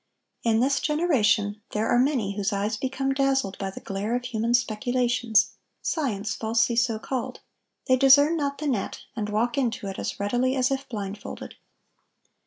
In this generation there are many whose eyes become dazzled by the glare of human speculations, "science falsely so called;" they discern not the net, and walk into it as readily as if blindfolded.